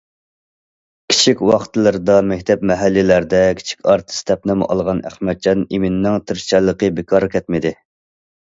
كىچىك ۋاقىتلىرىدىلا مەكتەپ، مەھەللىلەردە‹‹ كىچىك ئارتىس›› دەپ نام ئالغان ئەخمەتجان ئىمىننىڭ تىرىشچانلىقى بىكارغا كەتمىدى.